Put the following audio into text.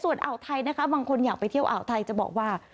ส่วนอ่าวไทยนะคะบางคนอยากไปเที่ยวอ่าวไทยจะบอกว่า